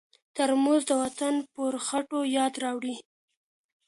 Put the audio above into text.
ترموز د وطن پر خټو یاد راوړي.